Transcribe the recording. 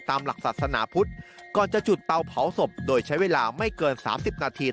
ตามหลักศาสนาพุทธก่อนจะจุดเตาเผาศพโดยใช้เวลาไม่เกิน๓๐นาที